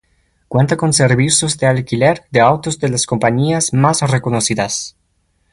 Cuenta con servicios de alquiler de autos de las compañías más reconocidas.